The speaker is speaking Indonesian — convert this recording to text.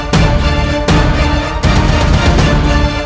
walaupun sudah memaafkan